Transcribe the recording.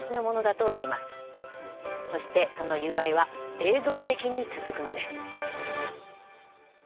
そしてその友愛は永続的に続くのです。